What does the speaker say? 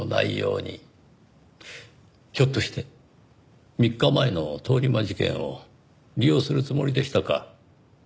ひょっとして３日前の通り魔事件を利用するつもりでしたか？